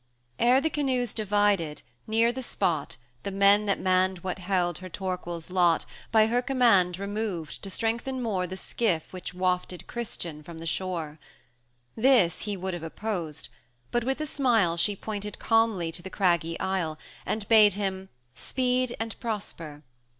III. Ere the canoes divided, near the spot, The men that manned what held her Torquil's lot, By her command removed, to strengthen more The skiff which wafted Christian from the shore. This he would have opposed; but with a smile She pointed calmly to the craggy isle, And bade him "speed and prosper."